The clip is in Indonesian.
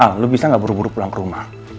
al lo bisa gak buru buru pulang ke rumah